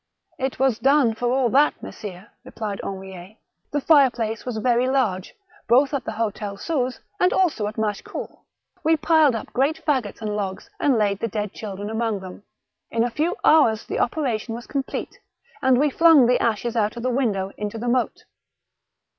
" It was done, for all that, messire," replied Henriet. The fireplace was very large, both at the hotel Suze, and also at Machecoul ; we piled up great faggots and logs, and laid the dead children among them. In a few hours the operation was complete, and we flung the ashes out of the window into the moat."